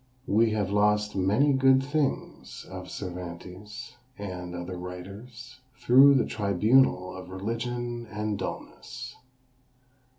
We have lost many good things of Cervantes, and other writers, through the tribunal of religion and dulness.